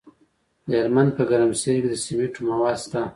د هلمند په ګرمسیر کې د سمنټو مواد شته.